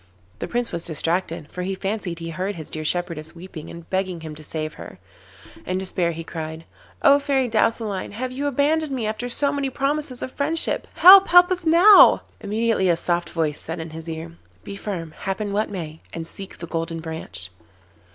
The Prince was distracted, for he fancied he heard his dear shepherdess weeping and begging him to save her. In despair he cried: 'Oh, Fairy Douceline, have you abandoned me after so many promises of friendship? Help, help us now!' Immediately a soft voice said in his ear: 'Be firm, happen what may, and seek the Golden Branch.